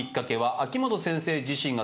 ・秋元先生